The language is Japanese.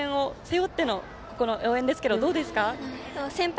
先輩の応援を背負っての応援ですけどどうですか？